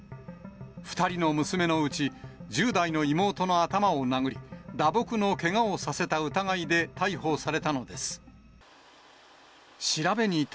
２人の娘のうち、１０代の妹の頭を殴り、打撲のけがをさせた疑いで逮捕されたのです。